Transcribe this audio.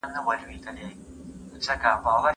هغه اوس په دکان کي کار کوي.